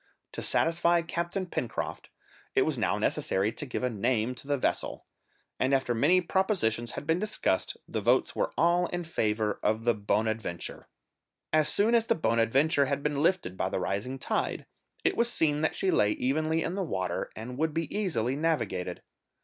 To satisfy Captain Pencroft, it was now necessary to give a name to the vessel, and, after many propositions had been discussed, the votes were all in favour of the Bonadventure. As soon as the Bonadventure had been lifted by the rising tide, it was seen that she lay evenly in the water, and would be easily navigated.